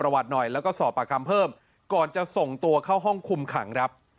ประวัติหน่อยแล้วก็สอบประคัมเพิ่มก่อนจะส่งตัวเข้าห้องคุมขัง